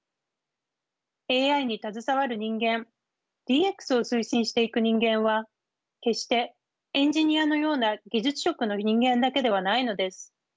ＡＩに携わる人間ＤＸを推進していく人間は決してエンジニアのような技術職の人間だけではないのです。